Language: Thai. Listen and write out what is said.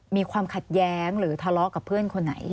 มีความขัดแย้งหรือทะเลาะกับเพื่อนคนไหน